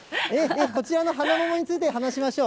こちらの花桃について話しましょう。